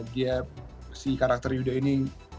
dia si karakter yudha ini